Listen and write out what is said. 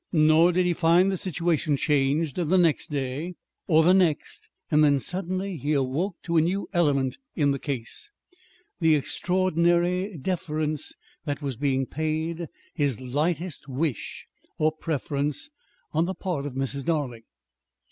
Nor did he find the situation changed the next day, or the next. Then suddenly he awoke to a new element in the case the extraordinary deference that was being paid his lightest wish or preference on the part of Mrs. Darling.